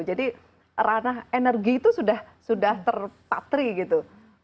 jadi ranah energi itu sudah terpatri gitu